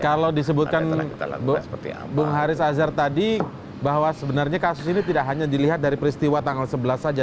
kalau disebutkan bung haris azhar tadi bahwa sebenarnya kasus ini tidak hanya dilihat dari peristiwa tanggal sebelas saja